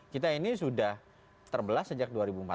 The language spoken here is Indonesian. kita ini sudah terbelah sejak dua ribu empat belas